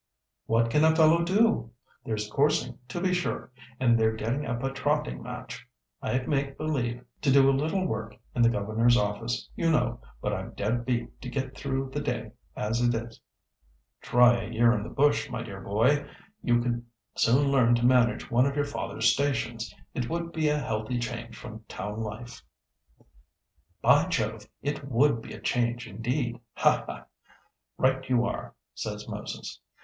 "What can a fellow do? There's coursing, to be sure, and they're getting up a trotting match. I make believe to do a little work in the governor's office, you know, but I'm dead beat to get through the day as it is." "Try a year in the bush, my dear boy. You could soon learn to manage one of your father's stations. It would be a healthy change from town life." "By Jove! It would be a change indeed! Ha, ha! 'Right you are, says Moses.